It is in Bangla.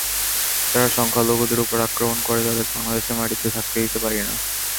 যারা সংখ্যালঘুদের ওপর আক্রমণ করে, তাদের বাংলাদেশের মাটিতে থাকতে দিতে পারি না।